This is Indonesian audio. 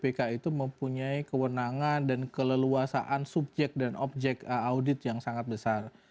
kpk itu mempunyai kewenangan dan keleluasaan subjek dan objek audit yang sangat besar